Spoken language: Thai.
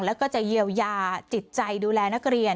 แล้วก็จะเยียวยาจิตใจดูแลนักเรียน